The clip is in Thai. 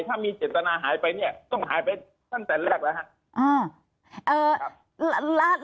ถ้ามีเจตนาหายไปต้องหายไปตั้งแต่แรกแล้ว